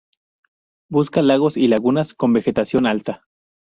Busca lagos y lagunas, con vegetación alta.